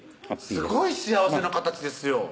すごい幸せな形ですよ